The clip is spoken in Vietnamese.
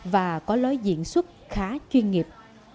và có lối diễn xuất khá chuyên nghiệp